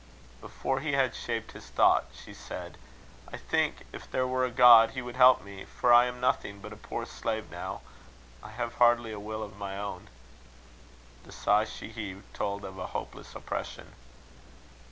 Before he had shaped his thought, she said: "I think, if there were a God, he would help me; for I am nothing but a poor slave now. I have hardly a will of my own." The sigh she heaved told of a hopeless oppression.